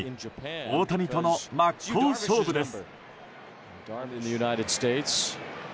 大谷との真っ向勝負です。